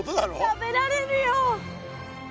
食べられるよ！